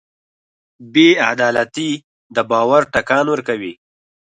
بېعدالتي د باور ټکان ورکوي.